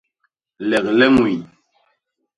Legle ñwin.